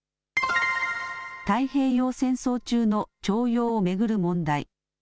太平洋戦争中の徴用を巡る問題。